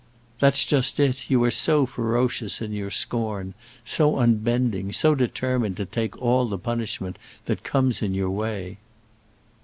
"That's just it: you are so ferocious in your scorn, so unbending, so determined to take all the punishment that comes in your way."